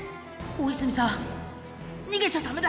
大泉さん、逃げちゃだめだ。